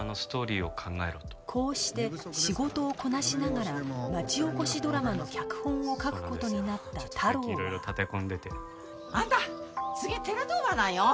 こうして仕事をこなしながら町おこしドラマの脚本を書く事になった太郎はあんた次寺当番なんよ。